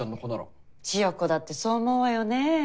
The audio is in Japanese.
千世子だってそう思うわよねぇ？